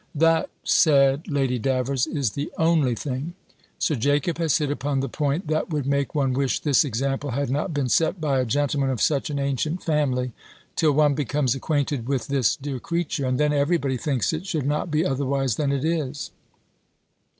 "That," said Lady Davers, "is the only thing! Sir Jacob has hit upon the point that would make one wish this example had not been set by a gentleman of such an ancient family, till one becomes acquainted with this dear creature; and then every body thinks it should not be otherwise than it is."